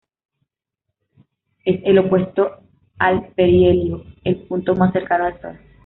Es el opuesto al perihelio, el punto más cercano al Sol.